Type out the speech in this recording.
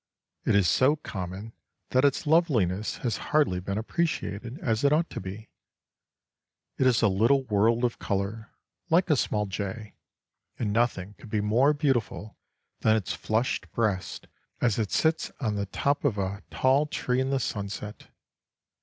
It is so common that its loveliness has hardly been appreciated as it ought to be. It is a little world of colour, like a small jay, and nothing could be more beautiful than its flushed breast as it sits on the top of a tall tree in the sunset.